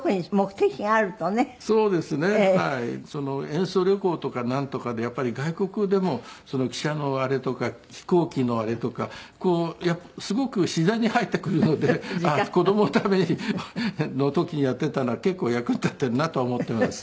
演奏旅行とかなんとかでやっぱり外国でも汽車のあれとか飛行機のあれとかすごく自然に入ってくるので子供の時にやっていたのは結構役に立っているなとは思っています。